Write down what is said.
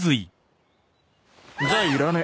じゃあいらね。